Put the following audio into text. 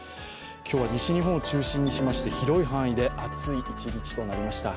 今日は西日本を中心にしまして広い範囲で暑い一日となりました。